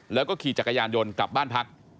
แล้วก็ขี่จักรยานยนต์กลับบ้านพัก